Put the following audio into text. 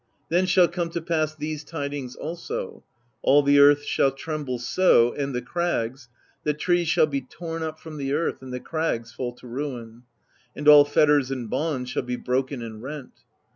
Then shall come to pass these tidings also: all the earth shall tremble so, and the crags, that trees shall be torn up from the earth, and the crags fall to ruin ; and all fetters and bonds shall be broken and rent.